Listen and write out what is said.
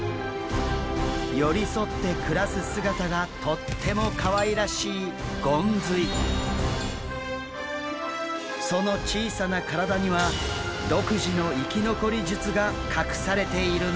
寄り添って暮らす姿がとってもかわいらしいその小さな体には独自の生き残り術が隠されているんです。